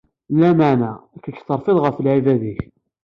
Lameɛna, kečč terfiḍ ɣef lεibad-ik.